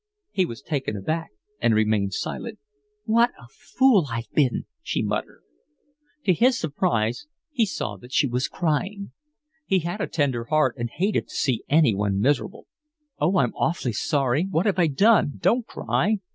He was taken aback and remained silent. "What a fool I've been," she muttered. To his surprise he saw that she was crying. He had a tender heart, and hated to see anyone miserable. "Oh, I'm awfully sorry. What have I done? Don't cry."